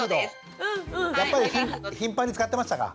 やっぱり頻繁に使ってましたか？